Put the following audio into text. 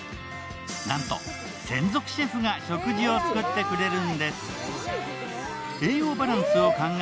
なんと専属シェフが食事を作ってくれるんです。